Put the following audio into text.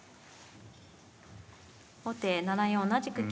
後手７四同じく金。